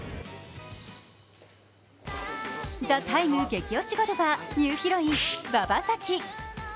「ＴＨＥＴＩＭＥ，」ゲキ推しゴルファー、ニューヒロイン・馬場咲希。